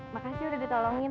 makasih udah ditolongin